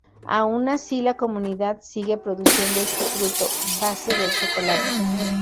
Aun así, la comunidad sigue produciendo este fruto, base del chocolate.